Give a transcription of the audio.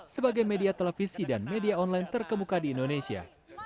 sebagai media televisi dan media online terkemuka di indonesia